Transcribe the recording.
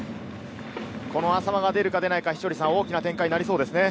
この淺間が出るか出ないか、稀哲さん、大きな展開になりそうですね。